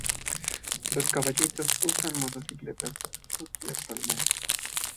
Los "caballitos" usan motocicletas Suzuki actualmente.